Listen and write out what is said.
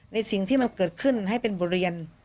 ในสิ่งที่มันเกิดขึ้นให้เป็นบทเรียน